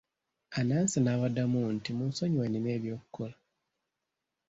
Anansi n'abaddamu nti, munsonyiwe nnina eby'okukola.